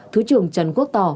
thứ trường trần quốc tò